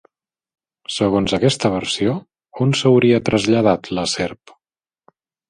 Segons aquesta versió, on s'hauria traslladat la serp?